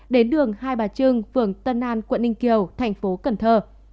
đến đường hai bà trưng phường tân an quận ninh kiều thành phố cần thơ